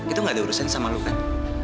itu gak ada urusan sama lu kan